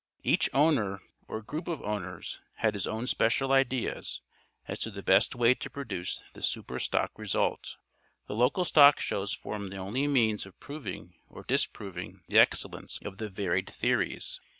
Each owner or group of owners had his own special ideas as to the best way to produce this super stock result. The local stock shows formed the only means of proving or disproving the excellence of the varied theories.